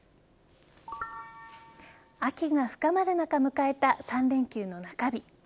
秋が深まる中迎えた３連休の中日。